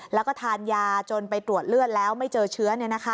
แล้วก็ทานยาจนไปตรวจเลือดแล้วไม่เจอเชื้อ